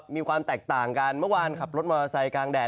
มีความแตกต่างกันเมื่อวานขับรถมอเตอร์ไซค์กลางแดด